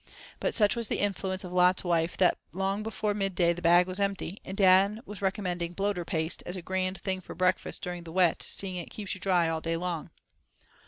But such was the influence of "Lot's wife" that long before mid day the bag was empty, and Dan was recommending bloater paste as a "grand thing for breakfast during the Wet seeing it keeps you dry all day long."